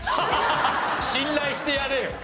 信頼してやれよ！